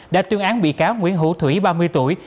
đã tuyên án bị cáo nguyễn hữu thủy ba mươi tuổi